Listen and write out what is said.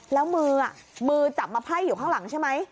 แล้วมือมือจับมาไพ่อยู่ข้างหลังใช่ไหม